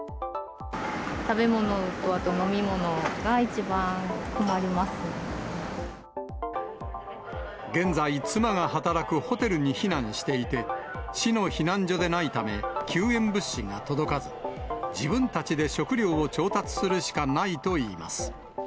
食べ物とあと飲み物が、現在、妻が働くホテルに避難していて、市の避難所でないため救援物資が届かず、自分たちで食料を調達するしかないといいます。